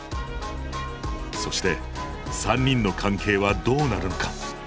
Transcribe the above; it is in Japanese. そして３人の関係はどうなるのか！